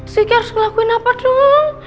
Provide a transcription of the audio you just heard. siki harus ngelakuin apa dong